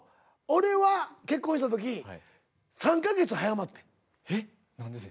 俺は結婚した時３か月早まってん。